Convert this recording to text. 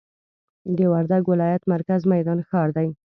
د وردګ ولایت مرکز میدان ښار دي.